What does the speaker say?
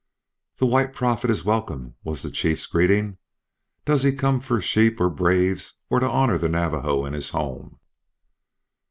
"The White Prophet is welcome," was the chief's greeting. "Does he come for sheep or braves or to honor the Navajo in his home?"